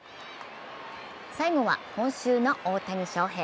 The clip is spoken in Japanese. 最後は、今週の大谷翔平。